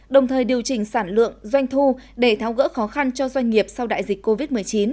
đồng thời điều chỉnh sản lượng doanh thu để tháo gỡ khó khăn cho doanh nghiệp sau đại dịch covid một mươi chín